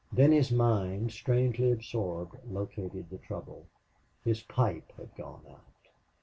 Then his mind, strangely absorbed, located the trouble. His pipe had gone out!